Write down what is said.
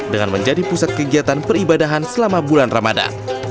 dengan menjadi pusat kegiatan peribadahan selama bulan ramadan